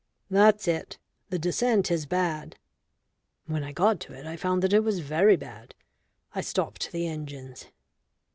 "That's it. The descent is bad." When I got to it I found that it was very bad. I stopped the engines.